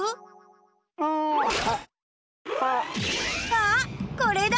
あっこれだ！